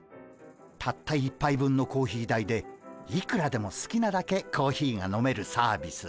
たった１杯分のコーヒー代でいくらでもすきなだけコーヒーが飲めるサービス。